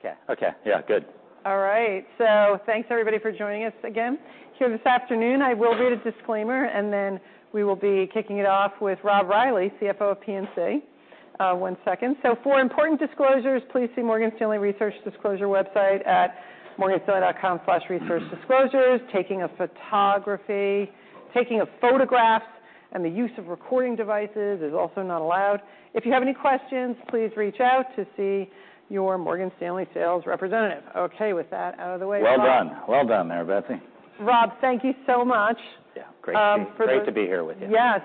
Okay. Okay. Yeah. Good. All right. So thanks, everybody, for joining us again here this afternoon. I will read a disclaimer, and then we will be kicking it off with Rob Reilly, CFO of PNC. One second. So for important disclosures, please see Morgan Stanley Research Disclosure website at morganstanley.com/researchdisclosures. Taking photographs and the use of recording devices is also not allowed. If you have any questions, please reach out to see your Morgan Stanley sales representative. Okay with that out of the way? Well done. Well done, Mary Betsy. Rob, thank you so much. Yeah. Great to be here with you. Yes.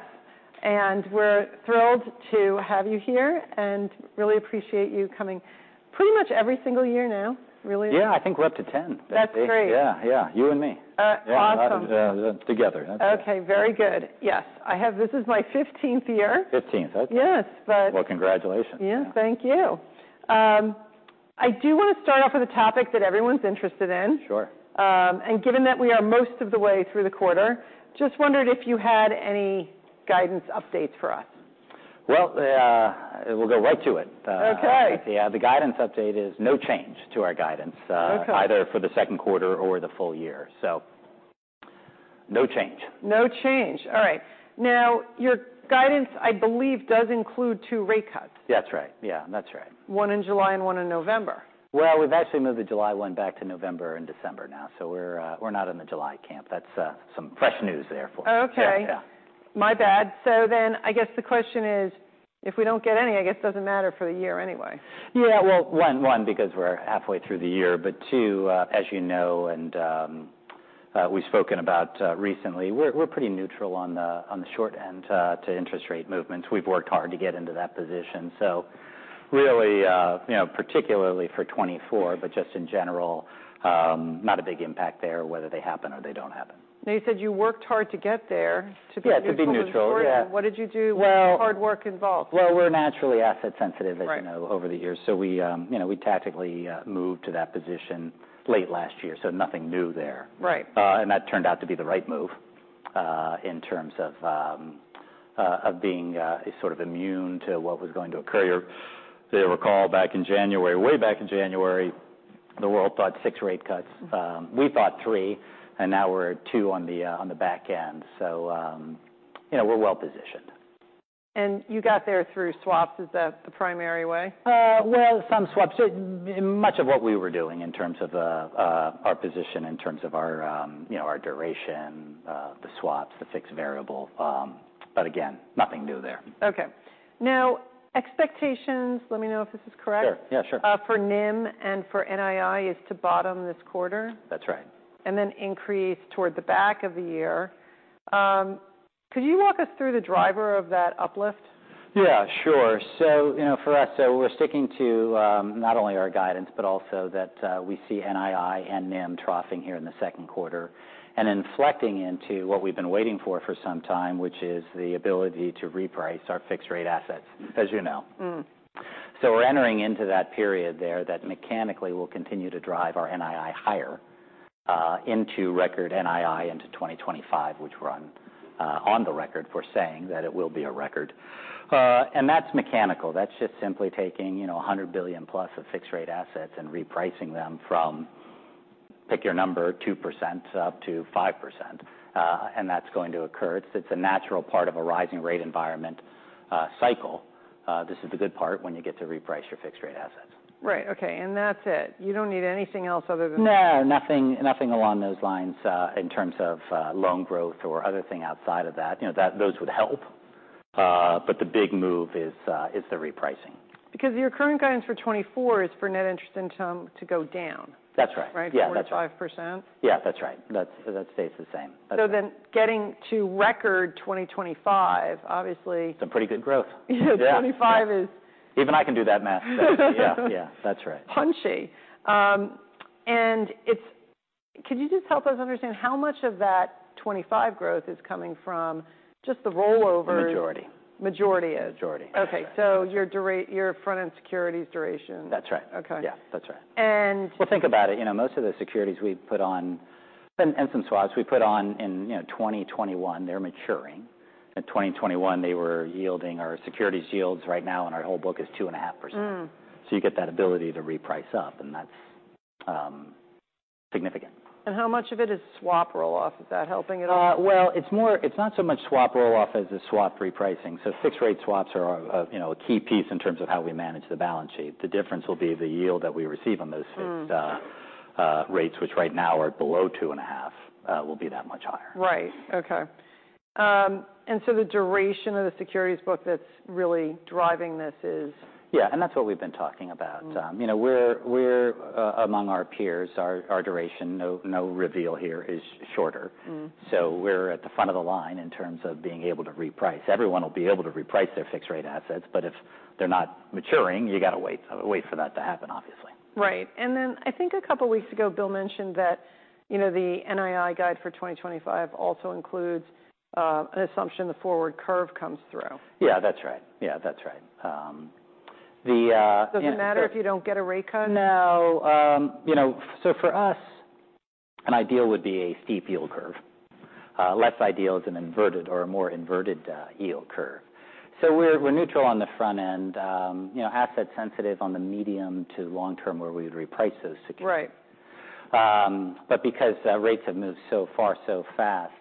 We're thrilled to have you here and really appreciate you coming pretty much every single year now. Really. Yeah. I think we're up to 10. That's great. Yeah. Yeah. You and me. Awesome. Together. Okay. Very good. Yes. This is my 15th year. 15th. Okay. Yes. But. Well, congratulations. Yeah. Thank you. I do want to start off with a topic that everyone's interested in. Sure. Given that we are most of the way through the quarter, just wondered if you had any guidance updates for us? Well, we'll go right to it. Okay. Yeah. The guidance update is no change to our guidance, either for the second quarter or the full year. So no change. No change. All right. Now, your guidance, I believe, does include 2 rate cuts. That's right. Yeah. That's right. One in July and one in November. Well, we've actually moved the July one back to November and December now. So we're not in the July camp. That's some fresh news there for us. Okay. My bad. So then I guess the question is, if we don't get any, I guess it doesn't matter for the year anyway. Yeah. Well, one, because we're halfway through the year. But two, as you know, and we've spoken about recently, we're pretty neutral on the short end to interest rate movements. We've worked hard to get into that position. So really, particularly for 2024, but just in general, not a big impact there whether they happen or they don't happen. Now, you said you worked hard to get there to be neutral. Yeah. To be neutral. Yeah. What did you do? What hard work involved? Well, we're naturally asset-sensitive, as you know, over the years. So we tactically moved to that position late last year. So nothing new there. And that turned out to be the right move in terms of being sort of immune to what was going to occur. They recall back in January, way back in January, the world thought 6 rate cuts. We thought 3, and now we're 2 on the back end. So we're well positioned. You got there through swaps as the primary way? Well, some swaps. Much of what we were doing in terms of our position, in terms of our duration, the swaps, the fixed variable. But again, nothing new there. Okay. Now, expectations (let me know if this is correct) for NIM and for NII is to bottom this quarter. That's right. Then increase toward the back of the year. Could you walk us through the driver of that uplift? Yeah. Sure. So for us, we're sticking to not only our guidance, but also that we see NII and NIM troughing here in the second quarter and inflecting into what we've been waiting for for some time, which is the ability to reprice our fixed-rate assets, as you know. So we're entering into that period there that mechanically will continue to drive our NII higher into record NII into 2025, which we're on the record for saying that it will be a record. And that's mechanical. That's just simply taking $100 billion plus of fixed-rate assets and repricing them from, pick your number, 2%-5%. And that's going to occur. It's a natural part of a rising rate environment cycle. This is the good part when you get to reprice your fixed-rate assets. Right. Okay. And that's it. You don't need anything else other than that? No. Nothing along those lines in terms of loan growth or other things outside of that. Those would help. But the big move is the repricing. Because your current guidance for 2024 is for net interest income to go down. That's right. Yeah. That's right. Right? 4%-5%? Yeah. That's right. That stays the same. Getting to record 2025, obviously. It's a pretty good growth. Yeah. 2025 is. Even I can do that math. Yeah. Yeah. That's right. Punchy. Could you just help us understand how much of that 2025 growth is coming from just the rollover? Majority. Majority is. Majority. Okay. So your front-end securities duration. That's right. Yeah. That's right. And. Well, think about it. Most of the securities we put on and some swaps we put on in 2021, they're maturing. In 2021, they were yielding our securities yields right now, and our whole book is 2.5%. So you get that ability to reprice up, and that's significant. How much of it is swap rolloff? Is that helping at all? Well, it's not so much swap rolloff as the swap repricing. So fixed-rate swaps are a key piece in terms of how we manage the balance sheet. The difference will be the yield that we receive on those fixed rates, which right now are below 2.5, will be that much higher. Right. Okay. And so the duration of the securities book that's really driving this is. Yeah. That's what we've been talking about. We're among our peers. Our duration, no reveal here, is shorter. So we're at the front of the line in terms of being able to reprice. Everyone will be able to reprice their fixed-rate assets, but if they're not maturing, you got to wait for that to happen, obviously. Right. And then I think a couple of weeks ago, Bill mentioned that the NII guide for 2025 also includes an assumption the forward curve comes through. Yeah. That's right. Yeah. That's right. Does it matter if you don't get a rate cut? No. So for us, an ideal would be a steep yield curve. Less ideal is an inverted or a more inverted yield curve. So we're neutral on the front end, asset-sensitive on the medium to long term where we would reprice those securities. But because rates have moved so far, so fast,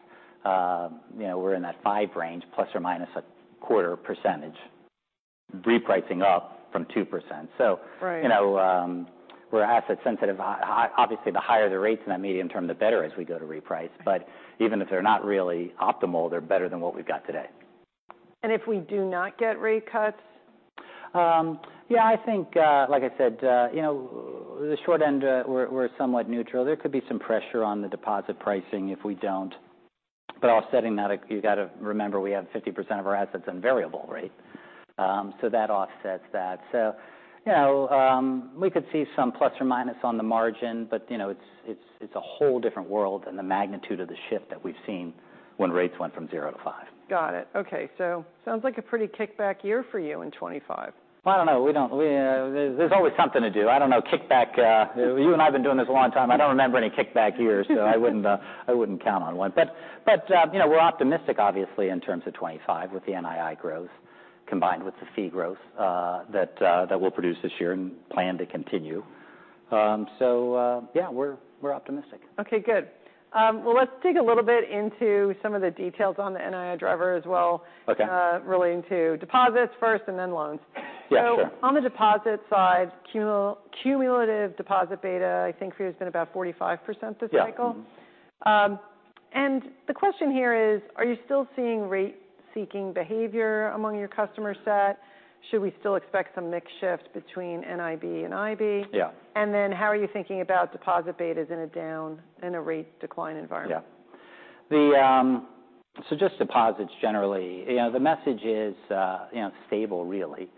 we're in that 5% range, ±0.25%, repricing up from 2%. So we're asset-sensitive. Obviously, the higher the rates in that medium term, the better as we go to reprice. But even if they're not really optimal, they're better than what we've got today. If we do not get rate cuts? Yeah. I think, like I said, the short end, we're somewhat neutral. There could be some pressure on the deposit pricing if we don't. But offsetting that, you got to remember we have 50% of our assets on variable rate. So that offsets that. So we could see some ± on the margin, but it's a whole different world than the magnitude of the shift that we've seen when rates went from 0 to 5. Got it. Okay. Sounds like a pretty kick-ass year for you in 2025. Well, I don't know. There's always something to do. I don't know. You and I have been doing this a long time. I don't remember any kickback years, so I wouldn't count on one. But we're optimistic, obviously, in terms of 2025 with the NII growth combined with the fee growth that we'll produce this year and plan to continue. So yeah, we're optimistic. Okay. Good. Well, let's dig a little bit into some of the details on the NII driver as well, relating to deposits first and then loans. Yeah. Sure. On the deposit side, cumulative deposit beta, I think for you, has been about 45% this cycle. The question here is, are you still seeing rate-seeking behavior among your customer set? Should we still expect some mixed shift between NIB and IB? Yeah. How are you thinking about deposit betas in a down and a rate decline environment? Yeah. So just deposits generally, the message is stable, really.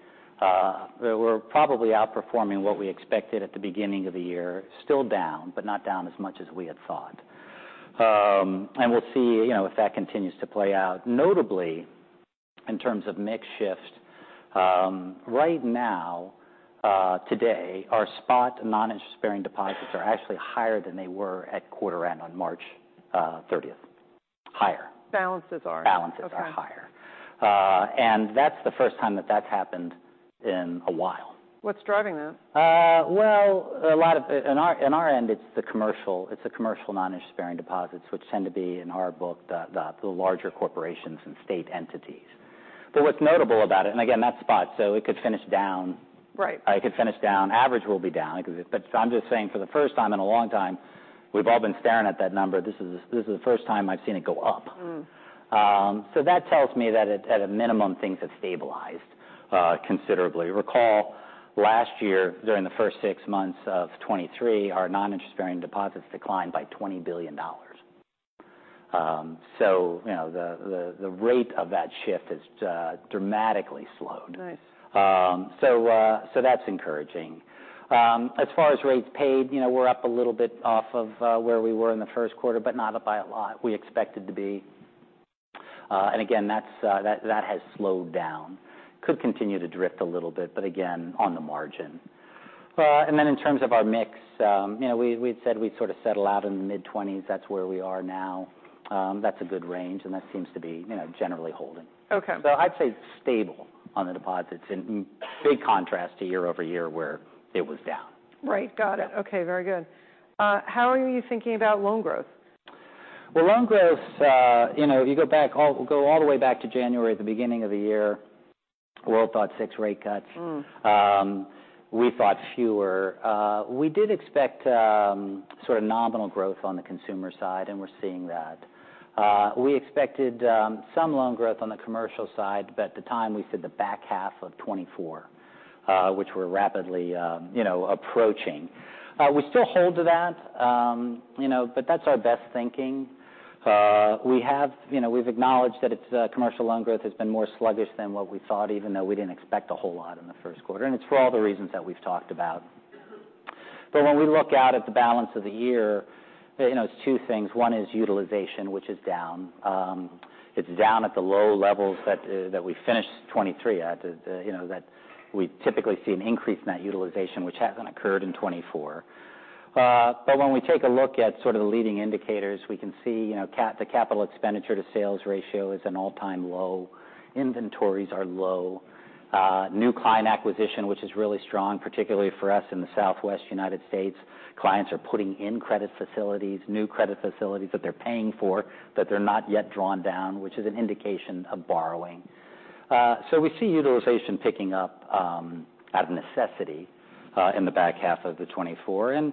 We're probably outperforming what we expected at the beginning of the year. Still down, but not down as much as we had thought. And we'll see if that continues to play out. Notably, in terms of mixed shift, right now, today, our spot non-interest-bearing deposits are actually higher than they were at quarter end on March 30th. Higher. Balances are. Balances are higher. That's the first time that that's happened in a while. What's driving that? Well, a lot of it on our end, it's the commercial non-interest-bearing deposits, which tend to be, in our book, the larger corporations and state entities. But what's notable about it, and again, that's spot, so it could finish down. It could finish down. Average will be down. But I'm just saying for the first time in a long time, we've all been staring at that number. This is the first time I've seen it go up. So that tells me that at a minimum, things have stabilized considerably. Recall last year, during the first six months of 2023, our non-interest-bearing deposits declined by $20 billion. So the rate of that shift has dramatically slowed. So that's encouraging. As far as rates paid, we're up a little bit off of where we were in the first quarter, but not by a lot we expected to be. And again, that has slowed down. Could continue to drift a little bit, but again, on the margin. And then in terms of our mix, we had said we'd sort of settle out in the mid-20s. That's where we are now. That's a good range, and that seems to be generally holding. So I'd say stable on the deposits, in big contrast to year-over-year where it was down. Right. Got it. Okay. Very good. How are you thinking about loan growth? Well, loan growth, if you go all the way back to January, the beginning of the year, the world thought six rate cuts. We thought fewer. We did expect sort of nominal growth on the consumer side, and we're seeing that. We expected some loan growth on the commercial side, but at the time, we said the back half of 2024, which we're rapidly approaching. We still hold to that, but that's our best thinking. We've acknowledged that commercial loan growth has been more sluggish than what we thought, even though we didn't expect a whole lot in the first quarter. It's for all the reasons that we've talked about. When we look out at the balance of the year, it's two things. One is utilization, which is down. It's down at the low levels that we finished 2023 at, that we typically see an increase in that utilization, which hasn't occurred in 2024. But when we take a look at sort of the leading indicators, we can see the capital expenditure to sales ratio is an all-time low. Inventories are low. New client acquisition, which is really strong, particularly for us in the Southwest United States. Clients are putting in credit facilities, new credit facilities that they're paying for that they're not yet drawn down, which is an indication of borrowing. So we see utilization picking up out of necessity in the back half of 2024. And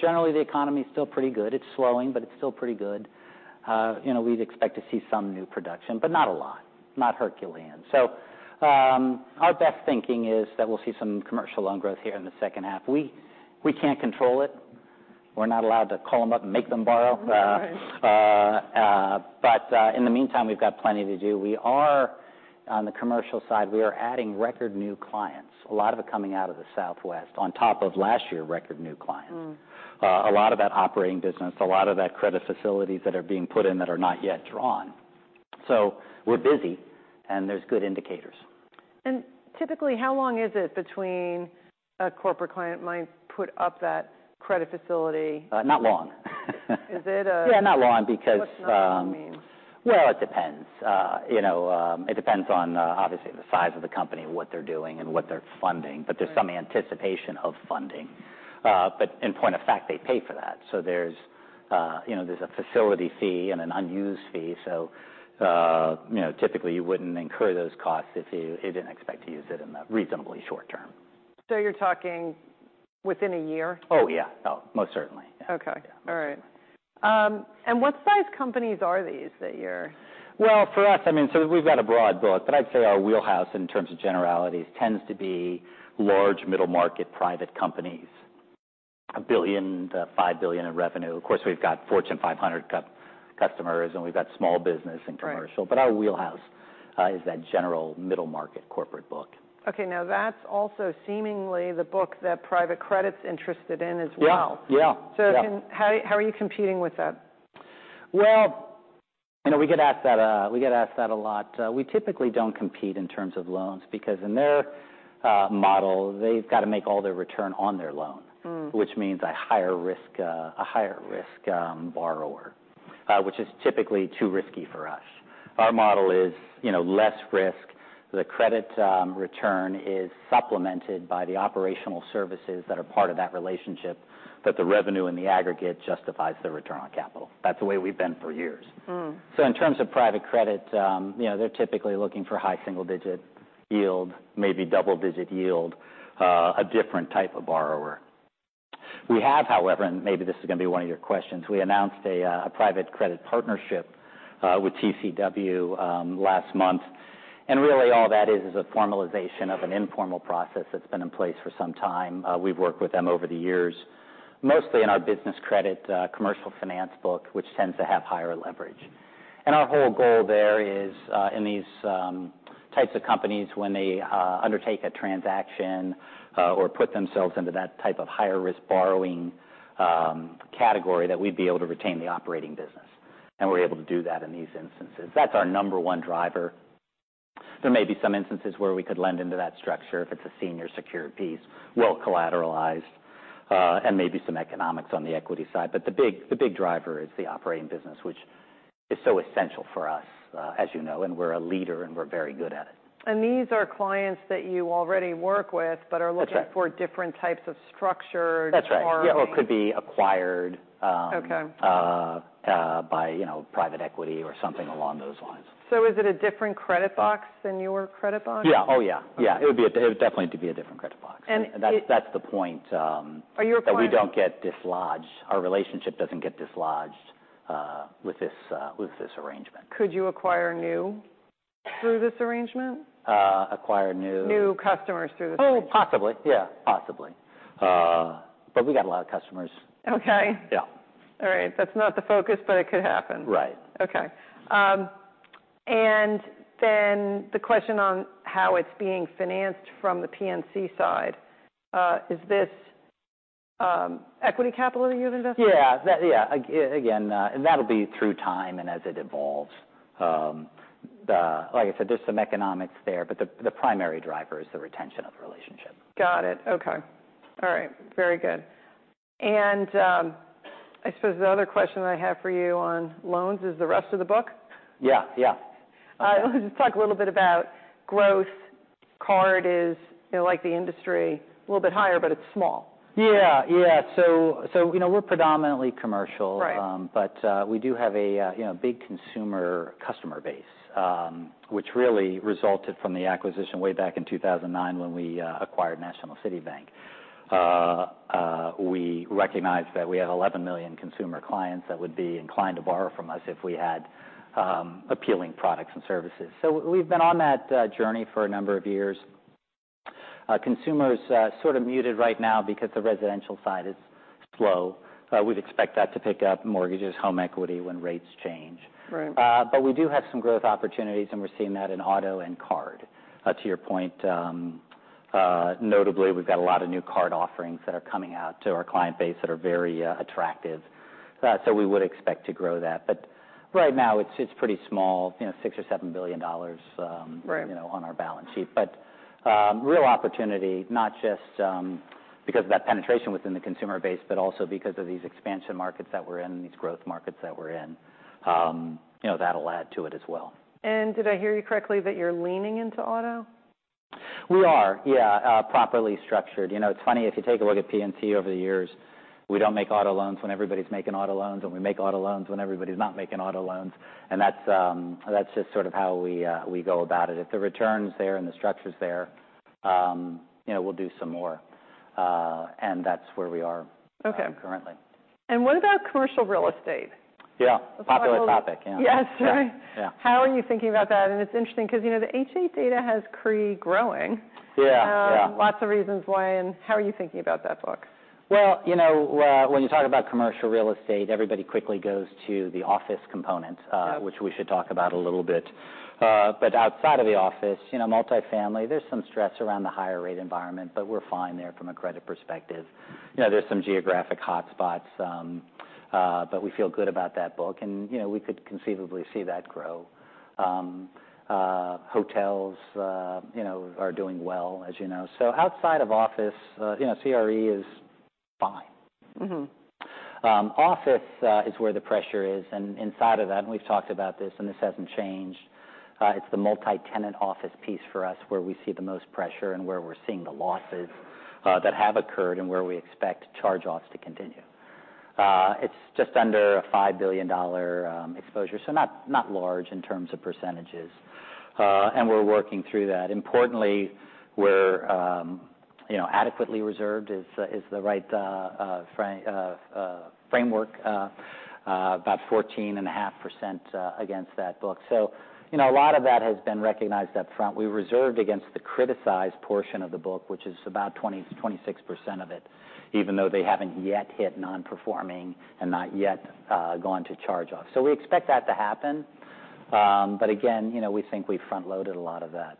generally, the economy is still pretty good. It's slowing, but it's still pretty good. We'd expect to see some new production, but not a lot. Not Herculean. So our best thinking is that we'll see some commercial loan growth here in the second half. We can't control it. We're not allowed to call them up and make them borrow. But in the meantime, we've got plenty to do. We are, on the commercial side, we are adding record new clients, a lot of it coming out of the Southwest, on top of last year's record new clients. A lot of that operating business, a lot of that credit facilities that are being put in that are not yet drawn. So we're busy, and there's good indicators. Typically, how long is it between a corporate client might put up that credit facility? Not long. Is it a? Yeah. Not long because. What's that mean? Well, it depends. It depends on, obviously, the size of the company, what they're doing, and what they're funding. But there's some anticipation of funding. But in point of fact, they pay for that. So there's a facility fee and an unused fee. So typically, you wouldn't incur those costs if you didn't expect to use it in a reasonably short term. You're talking within a year? Oh, yeah. Oh, most certainly. Yeah. Okay. All right. What size companies are these that you're? Well, for us, I mean, so we've got a broad book, but I'd say our wheelhouse, in terms of generalities, tends to be large, middle-market private companies, $1 billion-$5 billion in revenue. Of course, we've got Fortune 500 customers, and we've got small business and commercial. But our wheelhouse is that general middle-market corporate book. Okay. Now, that's also seemingly the book that private credit's interested in as well. Yeah. Yeah. So how are you competing with that? Well, we get asked that a lot. We typically don't compete in terms of loans because in their model, they've got to make all their return on their loan, which means a higher risk borrower, which is typically too risky for us. Our model is less risk. The credit return is supplemented by the operational services that are part of that relationship, that the revenue in the aggregate justifies the return on capital. That's the way we've been for years. So in terms of private credit, they're typically looking for high single-digit yield, maybe double-digit yield, a different type of borrower. We have, however, and maybe this is going to be one of your questions, we announced a private credit partnership with TCW last month. And really, all that is a formalization of an informal process that's been in place for some time. We've worked with them over the years, mostly in our business credit commercial finance book, which tends to have higher leverage. And our whole goal there is, in these types of companies, when they undertake a transaction or put themselves into that type of higher-risk borrowing category, that we'd be able to retain the operating business. And we're able to do that in these instances. That's our number one driver. There may be some instances where we could lend into that structure if it's a senior secured piece, well-collateralized, and maybe some economics on the equity side. But the big driver is the operating business, which is so essential for us, as you know, and we're a leader, and we're very good at it. These are clients that you already work with, but are looking for different types of structured borrowing. That's right. Yeah. Or it could be acquired by private equity or something along those lines. Is it a different credit box than your credit box? Yeah. Oh, yeah. Yeah. It would definitely be a different credit box. That's the point. Are you acquiring? That we don't get dislodged. Our relationship doesn't get dislodged with this arrangement. Could you acquire new through this arrangement? Acquire new? New customers through this arrangement. Oh, possibly. Yeah. Possibly. But we got a lot of customers. Okay. All right. That's not the focus, but it could happen. Right. Okay. And then the question on how it's being financed from the PNC side, is this equity capital that you've invested? Yeah. Yeah. Again, that'll be through time and as it evolves. Like I said, there's some economics there, but the primary driver is the retention of the relationship. Got it. Okay. All right. Very good. And I suppose the other question I have for you on loans is the rest of the book? Yeah. Yeah. Let's just talk a little bit about growth. Card is like the industry, a little bit higher, but it's small. Yeah. Yeah. So we're predominantly commercial, but we do have a big consumer customer base, which really resulted from the acquisition way back in 2009 when we acquired National City Bank. We recognized that we had 11 million consumer clients that would be inclined to borrow from us if we had appealing products and services. So we've been on that journey for a number of years. Consumers sort of muted right now because the residential side is slow. We'd expect that to pick up mortgages, home equity when rates change. But we do have some growth opportunities, and we're seeing that in auto and card. To your point, notably, we've got a lot of new card offerings that are coming out to our client base that are very attractive. So we would expect to grow that. Right now, it's pretty small, $6 billion or $7 billion on our balance sheet. Real opportunity, not just because of that penetration within the consumer base, but also because of these expansion markets that we're in, these growth markets that we're in, that'll add to it as well. Did I hear you correctly that you're leaning into auto? We are. Yeah. Properly structured. It's funny, if you take a look at PNC over the years, we don't make auto loans when everybody's making auto loans, and we make auto loans when everybody's not making auto loans. That's just sort of how we go about it. If the return's there and the structure's there, we'll do some more. That's where we are currently. Okay. What about commercial real estate? Yeah. Popular topic. Yeah. Yes. Right. How are you thinking about that? And it's interesting because the H.8 data has CRE growing. Lots of reasons why. And how are you thinking about that book? Well, when you talk about commercial real estate, everybody quickly goes to the office component, which we should talk about a little bit. But outside of the office, multifamily, there's some stress around the higher-rate environment, but we're fine there from a credit perspective. There's some geographic hotspots, but we feel good about that book. And we could conceivably see that grow. Hotels are doing well, as you know. So outside of office, CRE is fine. Office is where the pressure is. And inside of that, and we've talked about this, and this hasn't changed, it's the multi-tenant office piece for us where we see the most pressure and where we're seeing the losses that have occurred and where we expect charge-offs to continue. It's just under a $5 billion exposure, so not large in terms of percentages. And we're working through that. Importantly, we're adequately reserved is the right framework, about 14.5% against that book. So a lot of that has been recognized upfront. We reserved against the criticized portion of the book, which is about 20%-26% of it, even though they haven't yet hit non-performing and not yet gone to charge-off. So we expect that to happen. But again, we think we front-loaded a lot of that.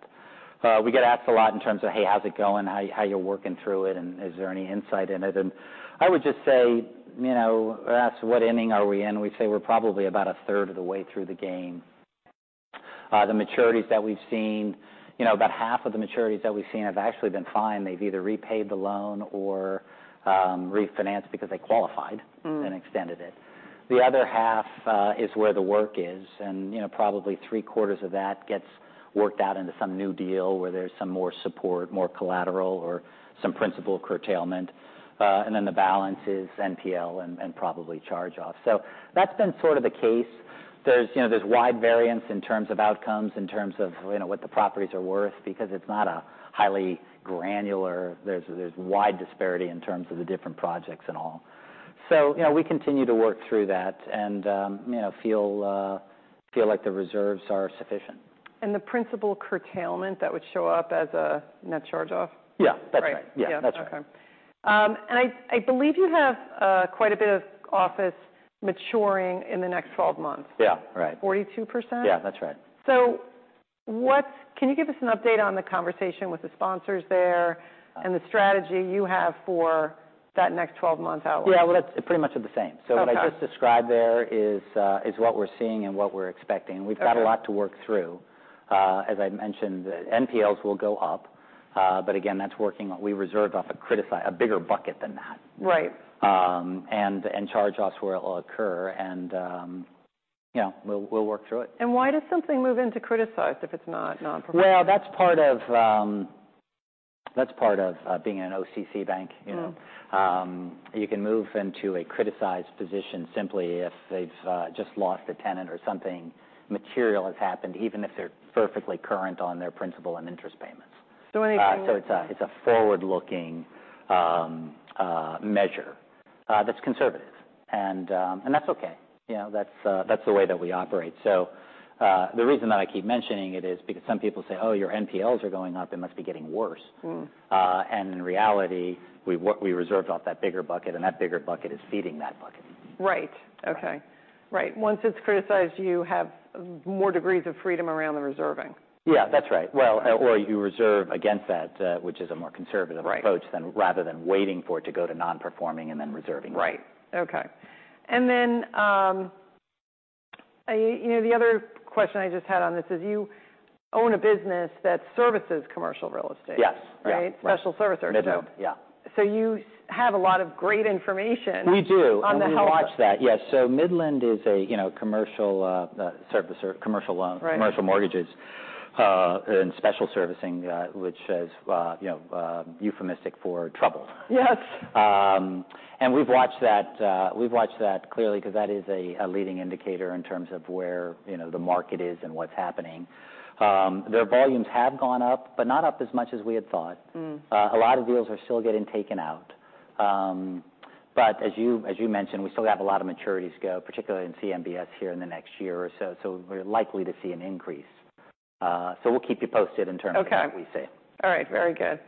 We get asked a lot in terms of, "Hey, how's it going? How you're working through it? And is there any insight in it?" And I would just say, "Asked what inning are we in, we say we're probably about a third of the way through the game." The maturities that we've seen, about half of the maturities that we've seen have actually been fine. They've either repaid the loan or refinanced because they qualified and extended it. The other half is where the work is. Probably three-quarters of that gets worked out into some new deal where there's some more support, more collateral, or some principal curtailment. Then the balance is NPL and probably charge-off. That's been sort of the case. There's wide variance in terms of outcomes, in terms of what the properties are worth, because it's not a highly granular. There's wide disparity in terms of the different projects and all. We continue to work through that and feel like the reserves are sufficient. The principal curtailment, that would show up as a net charge-off? Yeah. That's right. Yeah. That's right. Okay. I believe you have quite a bit of office maturing in the next 12 months. Yeah. Right. 42%? Yeah. That's right. Can you give us an update on the conversation with the sponsors there and the strategy you have for that next 12 months outward? Yeah. Well, it's pretty much the same. So what I just described there is what we're seeing and what we're expecting. We've got a lot to work through. As I mentioned, NPLs will go up. But again, that's working on. We reserve off a bigger bucket than that. Right. And charge-offs where it will occur. And we'll work through it. Why does something move into criticized if it's not non-performing? Well, that's part of being an OCC Bank. You can move into a criticized position simply if they've just lost a tenant or something material has happened, even if they're perfectly current on their principal and interest payments. So anything? So it's a forward-looking measure that's conservative. And that's okay. That's the way that we operate. So the reason that I keep mentioning it is because some people say, "Oh, your NPLs are going up. It must be getting worse." And in reality, we reserved off that bigger bucket, and that bigger bucket is feeding that bucket. Right. Okay. Right. Once it's criticized, you have more degrees of freedom around the reserving. Yeah. That's right. Well, or you reserve against that, which is a more conservative approach rather than waiting for it to go to non-performing and then reserving it. Right. Okay. And then the other question I just had on this is you own a business that services commercial real estate? Yes. Right. Right? Special servicing or no? Midland. Yeah. You have a lot of great information. We do. On the health. We've watched that. Yes. So Midland is a commercial service or commercial loan, commercial mortgages, and special servicing, which is euphemistic for trouble. Yes. We've watched that clearly because that is a leading indicator in terms of where the market is and what's happening. Their volumes have gone up, but not up as much as we had thought. A lot of deals are still getting taken out. But as you mentioned, we still have a lot of maturities to go, particularly in CMBS here in the next year or so. So we're likely to see an increase. So we'll keep you posted in terms of what we say. Okay. All right. Very good.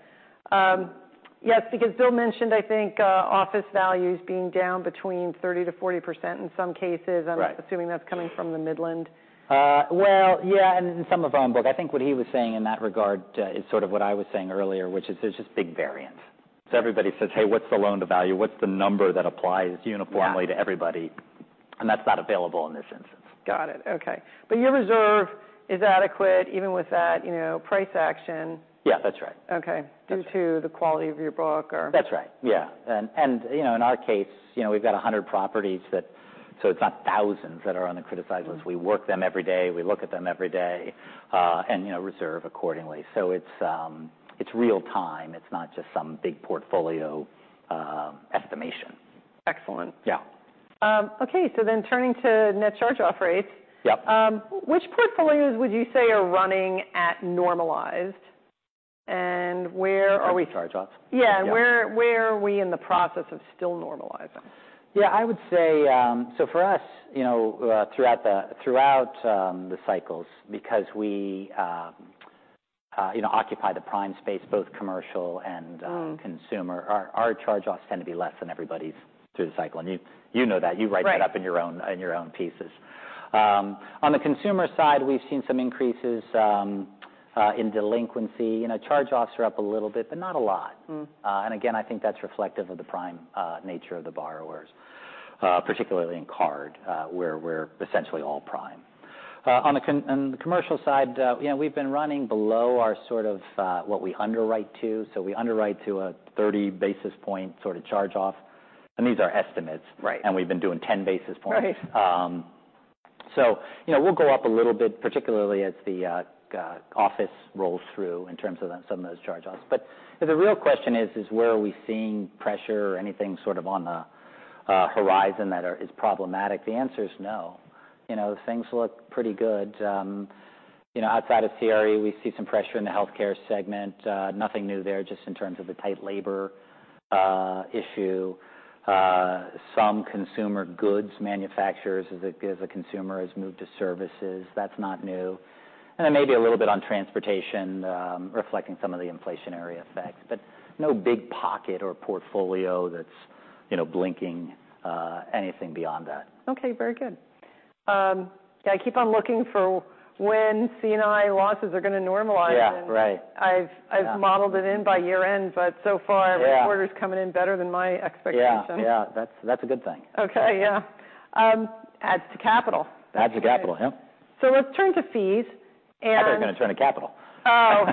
Yes. Because Bill mentioned, I think, office values being down between 30%-40% in some cases. I'm assuming that's coming from the Midland. Well, yeah. In some of our own book, I think what he was saying in that regard is sort of what I was saying earlier, which is there's just big variance. Everybody says, "Hey, what's the loan to value? What's the number that applies uniformly to everybody?" And that's not available in this instance. Got it. Okay. But your reserve is adequate even with that price action. Yeah. That's right. Okay. Due to the quality of your book or? That's right. Yeah. And in our case, we've got 100 properties that so it's not thousands that are on the criticized list. We work them every day. We look at them every day and reserve accordingly. So it's real-time. It's not just some big portfolio estimation. Excellent. Yeah. Okay. So then turning to net charge-off rates. Which portfolios would you say are running at normalized? And where are we? Oh, charge-offs? Yeah. Where are we in the process of still normalizing? Yeah. I would say so for us, throughout the cycles, because we occupy the prime space, both commercial and consumer, our charge-offs tend to be less than everybody's through the cycle. And you know that. You write that up in your own pieces. On the consumer side, we've seen some increases in delinquency. Charge-offs are up a little bit, but not a lot. And again, I think that's reflective of the prime nature of the borrowers, particularly in card, where we're essentially all prime. On the commercial side, we've been running below our sort of what we underwrite to. So we underwrite to a 30 basis point sort of charge-off. And these are estimates. And we've been doing 10 basis points. So we'll go up a little bit, particularly as the office rolls through in terms of some of those charge-offs. But the real question is, is where are we seeing pressure or anything sort of on the horizon that is problematic? The answer is no. Things look pretty good. Outside of CRE, we see some pressure in the healthcare segment. Nothing new there, just in terms of the tight labor issue. Some consumer goods manufacturers, as a consumer, has moved to services. That's not new. And then maybe a little bit on transportation, reflecting some of the inflationary effects. But no big pocket or portfolio that's blinking anything beyond that. Okay. Very good. Yeah. I keep on looking for when NCO losses are going to normalize. And I've modeled it in by year-end, but so far, the quarter's coming in better than my expectation. Yeah. Yeah. That's a good thing. Okay. Yeah. Adds to capital. Adds to capital. Yeah. Let's turn to fees and. I thought you were going to turn to capital. Oh.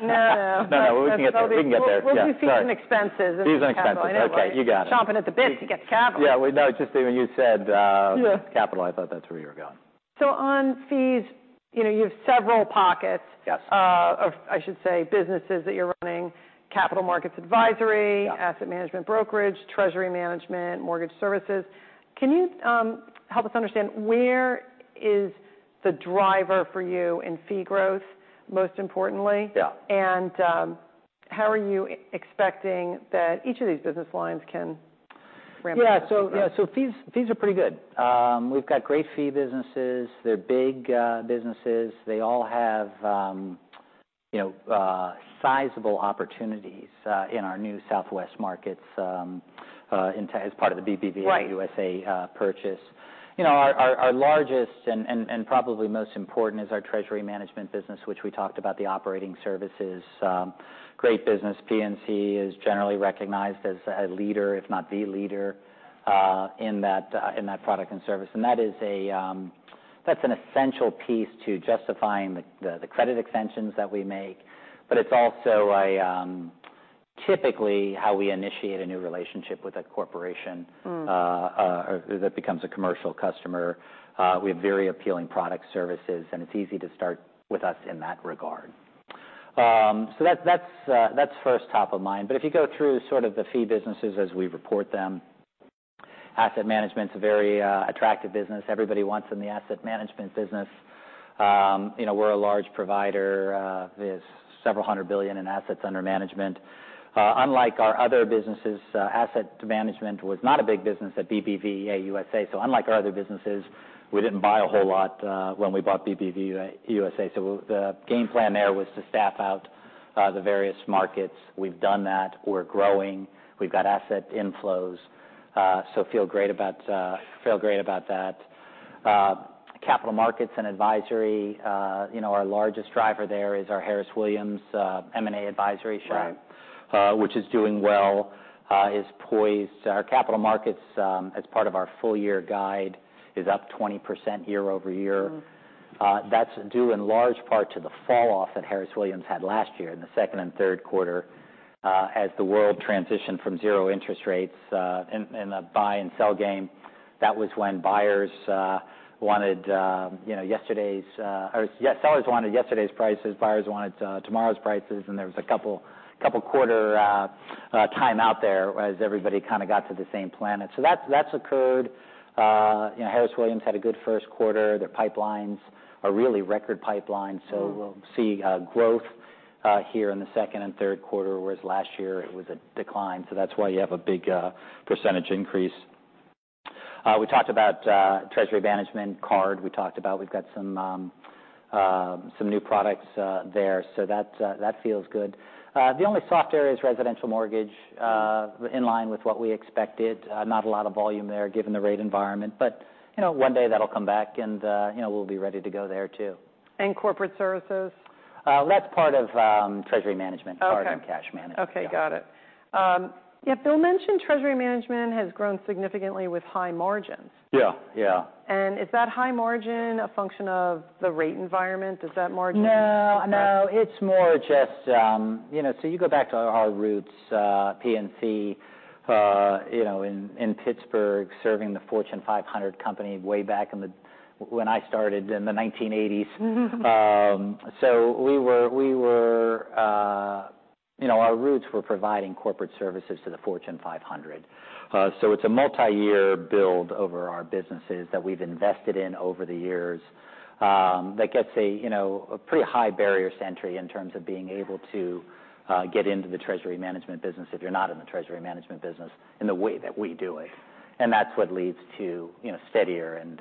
No. No. No. No. We can get there. We can get there. Sorry. We'll do fees and expenses. Fees and expenses. Okay. You got it. Chomping at the bit to get to capital. Yeah. No. Just when you said capital, I thought that's where you were going. So on fees, you have several pockets, or I should say businesses that you're running: capital markets advisory, asset management brokerage, Treasury Management, mortgage services. Can you help us understand where is the driver for you in fee growth, most importantly? And how are you expecting that each of these business lines can ramp up? Yeah. So fees are pretty good. We've got great fee businesses. They're big businesses. They all have sizable opportunities in our new Southwest markets as part of the BBVA USA purchase. Our largest and probably most important is our Treasury Management business, which we talked about the operating services. Great business. PNC is generally recognized as a leader, if not the leader, in that product and service. And that's an essential piece to justifying the credit extensions that we make. But it's also typically how we initiate a new relationship with a corporation that becomes a commercial customer. We have very appealing product services, and it's easy to start with us in that regard. So that's first top of mind. But if you go through sort of the fee businesses as we report them, asset management's a very attractive business. Everybody wants in the asset management business. We're a large provider. There's several hundred billion in assets under management. Unlike our other businesses, asset management was not a big business at BBVA USA. So unlike our other businesses, we didn't buy a whole lot when we bought BBVA USA. So the game plan there was to staff out the various markets. We've done that. We're growing. We've got asset inflows. So feel great about that. Capital markets and advisory, our largest driver there is our Harris Williams M&A advisory share, which is doing well, is poised. Our capital markets, as part of our full-year guide, is up 20% year-over-year. That's due in large part to the falloff that Harris Williams had last year in the second and third quarter as the world transitioned from zero interest rates in the buy and sell game. That was when buyers wanted yesterday's or sellers wanted yesterday's prices. Buyers wanted tomorrow's prices. There was a two-quarter timeout there as everybody kind of got to the same planet. So that's occurred. Harris Williams had a good first quarter. Their pipelines are really record pipelines. So we'll see growth here in the second and third quarter, whereas last year it was a decline. So that's why you have a big percentage increase. We talked about Treasury Management card. We talked about we've got some new products there. So that feels good. The only soft area is residential mortgage in line with what we expected. Not a lot of volume there given the rate environment. But one day that'll come back, and we'll be ready to go there too. Corporate services? That's part of Treasury Management, card and cash management. Okay. Got it. Yeah. Bill mentioned Treasury Management has grown significantly with high margins. Yeah. Yeah. Is that high margin a function of the rate environment? Does that margin? No. No. It's more just so you go back to our roots, PNC in Pittsburgh, serving the Fortune 500 company way back when I started in the 1980s. So our roots were providing corporate services to the Fortune 500. So it's a multi-year build over our businesses that we've invested in over the years that gets a pretty high barrier to entry in terms of being able to get into the Treasury Management business if you're not in the Treasury Management business in the way that we do it. And that's what leads to steadier and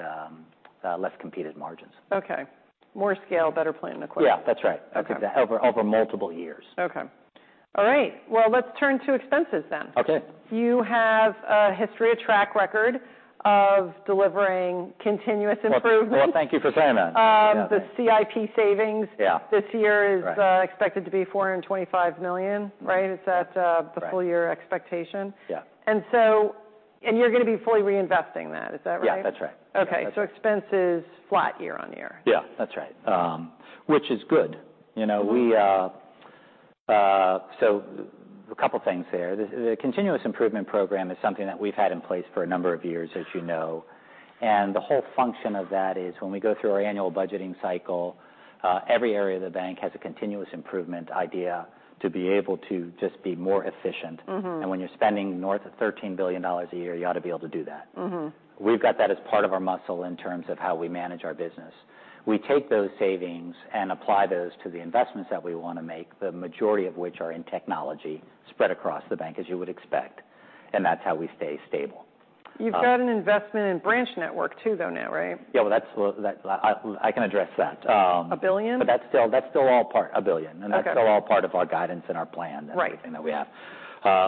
less competed margins. Okay. More scale, better plan, of course. Yeah. That's right. Over multiple years. Okay. All right. Well, let's turn to expenses then. You have a history of track record of delivering continuous improvements. Well, thank you for saying that. The CIP savings this year is expected to be $425 million. Right? It's at the full-year expectation. Yeah. You're going to be fully reinvesting that. Is that right? Yeah. That's right. Okay. So expenses flat year-over-year. Yeah. That's right. Which is good. So a couple of things there. The Continuous Improvement Program is something that we've had in place for a number of years, as you know. And the whole function of that is when we go through our annual budgeting cycle, every area of the bank has a Continuous Improvement idea to be able to just be more efficient. And when you're spending north of $13 billion a year, you ought to be able to do that. We've got that as part of our muscle in terms of how we manage our business. We take those savings and apply those to the investments that we want to make, the majority of which are in technology spread across the bank, as you would expect. And that's how we stay stable. You've got an investment in branch network too though now, right? Yeah. Well, I can address that. A billion? But that's still all part of a billion. And that's still all part of our guidance and our plan and everything that we have.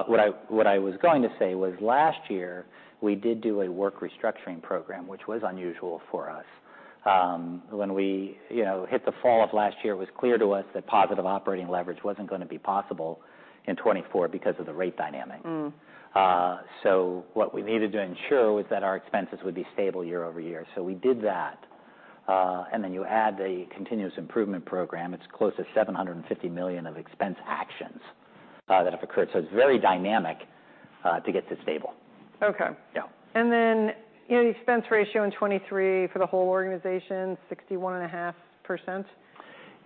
What I was going to say was last year, we did do a work restructuring program, which was unusual for us. When we hit the fall of last year, it was clear to us that positive operating leverage wasn't going to be possible in 2024 because of the rate dynamic. So what we needed to ensure was that our expenses would be stable year-over-year. So we did that. And then you add the Continuous Improvement Program. It's close to $750 million of expense actions that have occurred. So it's very dynamic to get this stable. Okay. Then the efficiency ratio in 2023 for the whole organization, 61.5%. Is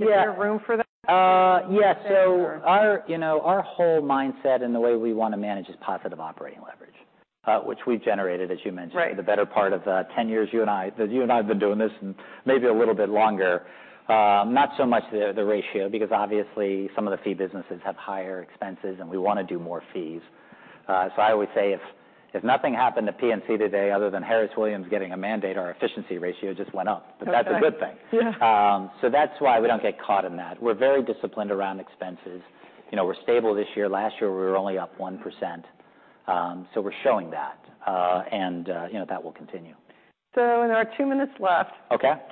there room for that? Yeah. So our whole mindset and the way we want to manage is positive operating leverage, which we've generated, as you mentioned, for the better part of 10 years. You and I have been doing this maybe a little bit longer. Not so much the ratio because obviously some of the fee businesses have higher expenses, and we want to do more fees. So I always say if nothing happened to PNC today other than Harris Williams getting a mandate, our efficiency ratio just went up. But that's a good thing. So that's why we don't get caught in that. We're very disciplined around expenses. We're stable this year. Last year, we were only up 1%. So we're showing that. And that will continue. So in our 2 minutes left,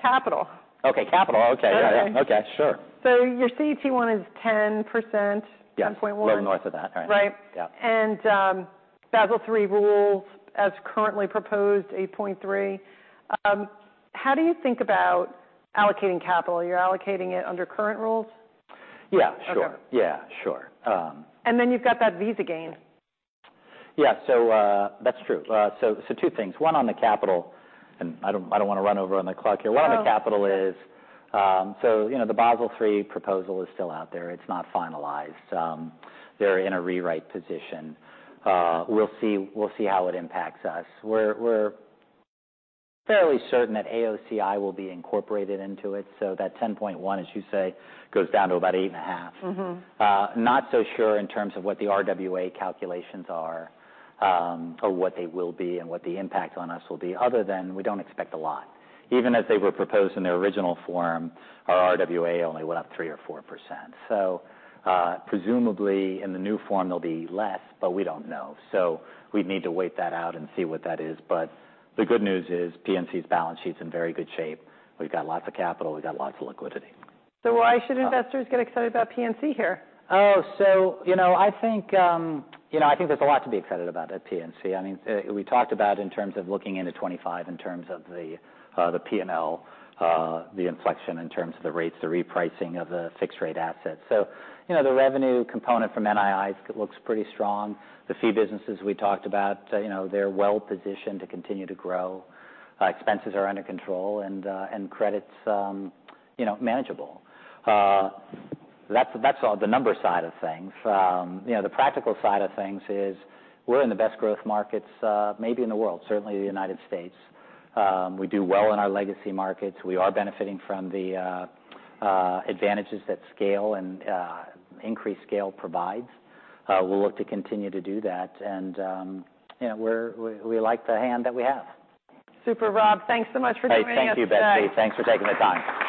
capital. Okay. Capital. Okay. Yeah. Yeah. Okay. Sure. Your CET1 is 10.1%. Yes. A little north of that. Right. Right? Basel III rules as currently proposed, 8.3. How do you think about allocating capital? You're allocating it under current rules? Yeah. Sure. Yeah. Sure. And then you've got that Visa gain. Yeah. So that's true. So two things. One on the capital and I don't want to run over on the clock here. One on the capital is so the Basel III proposal is still out there. It's not finalized. They're in a rewrite position. We'll see how it impacts us. We're fairly certain that AOCI will be incorporated into it. So that 10.1, as you say, goes down to about 8.5. Not so sure in terms of what the RWA calculations are or what they will be and what the impact on us will be, other than we don't expect a lot. Even as they were proposed in their original form, our RWA only went up 3% or 4%. So presumably in the new form, they'll be less, but we don't know. So we'd need to wait that out and see what that is. The good news is PNC's balance sheet's in very good shape. We've got lots of capital. We've got lots of liquidity. Why should investors get excited about PNC here? Oh. So I think there's a lot to be excited about at PNC. I mean, we talked about in terms of looking into 2025 in terms of the P&L, the inflection in terms of the rates, the repricing of the fixed-rate assets. So the revenue component from NII looks pretty strong. The fee businesses we talked about, they're well-positioned to continue to grow. Expenses are under control and credits manageable. That's the number side of things. The practical side of things is we're in the best growth markets maybe in the world, certainly the United States. We do well in our legacy markets. We are benefiting from the advantages that scale and increased scale provides. We'll look to continue to do that. And we like the hand that we have. Super, Rob. Thanks so much for joining us. Hey. Thank you, Betsy. Thanks for taking the time.